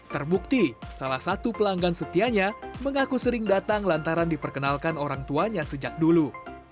terbukti salah satu pelanggan setianya mengaku sering datang lantaran diperkenalkan orang tuanya sejak dulu